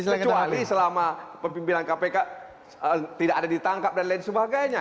kecuali selama pemimpinan kpk tidak ada ditangkap dan lain sebagainya